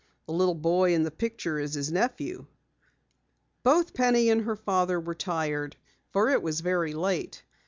The little boy in the picture is his nephew." Both Penny and her father were tired for it was very late.